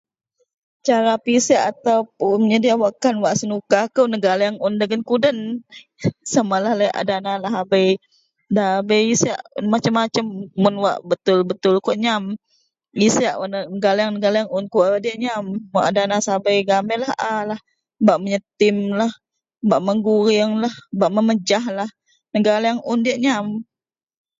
cara pisek ataupun menyedia wakan wak senuka kou, negaleng un dagen kuden samalah laie a dana lahabei dabei isek macam-macam mun wak betul betul kawak nyam, nisek negaleng negaleng un kawak diak nyam, wa a dana sabei gaan beilah a lah bak meyetim, bak meguringlah bak memejahlah, negaleng un diak nyam